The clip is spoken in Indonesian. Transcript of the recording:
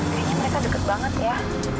kayaknya mereka deket banget ya